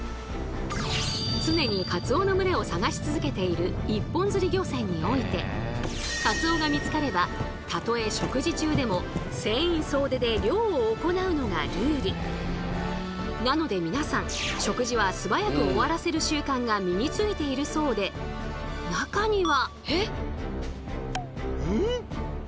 常にカツオの群れを探し続けている一本釣り漁船においてカツオが見つかればたとえなので皆さん食事はすばやく終わらせる習慣が身についているそうで中には。